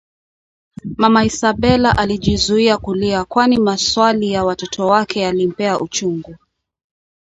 Mama Isabela alijizuia kulia kwani maswali ya watoto wake yalimpa uchungu